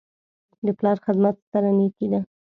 د پلار خدمت ستره نیکي ده.